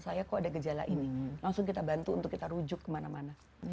saya kok ada gejala ini langsung kita bantu untuk kita rujuk kemana mana